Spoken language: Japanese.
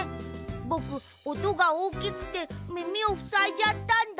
ぼくおとがおおきくてみみをふさいじゃったんだ。